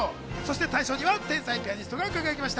大賞には天才ピアニストが輝きました。